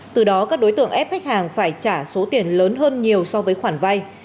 từ đó các đối tượng ép khách hàng phải trả số tiền lớn hơn nhiều so với khoản vay